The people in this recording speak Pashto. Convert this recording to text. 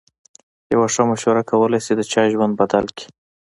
یوه ښه مشوره کولای شي د چا ژوند بدل کړي.